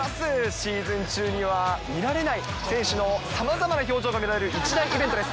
シーズン中には見られない選手のさまざまな表情が見られる一大イベントです。